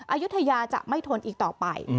อายุทยาจะไม่ทนอีกต่อไป